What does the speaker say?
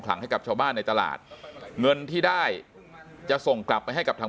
ให้กับชาวบ้านในตลาดเงินที่ได้จะส่งกลับไปให้กับทาง